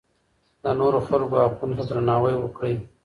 د نورو خلکو حقونو ته درناوی وکړئ.